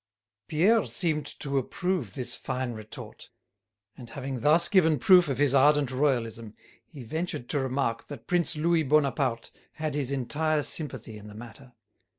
Pierre seemed to approve this fine retort, and having thus given proof of his ardent royalism, he ventured to remark that Prince Louis Bonaparte had his entire sympathy in the matter.